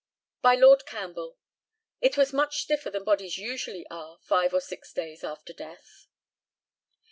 By LORD CAMPBELL: It was much stiffer than bodies usually are five or six days after death.